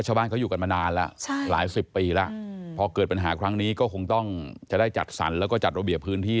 ถ้าเกิดปัญหาครั้งนี้ก็คงต้องจะได้จัดสรรแล้วก็จัดระเบียบพื้นที่